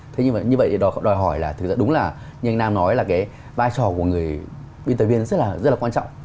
thế nhưng mà như vậy đòi hỏi là thực ra đúng là như anh nam nói là cái vai trò của người viên tài viên rất là quan trọng